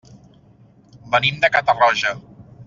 Venim de Catarroja.